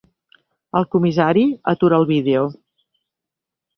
El comissari atura el video.